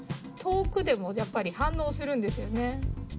遠くでもやっぱり反応するんですよね。